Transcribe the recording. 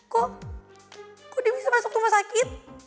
kok udah bisa masuk rumah sakit